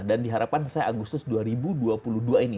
dan diharapkan selesai agustus dua ribu dua puluh dua ini